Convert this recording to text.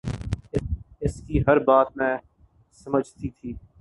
اس کی ہر بات میں سمجھتی تھی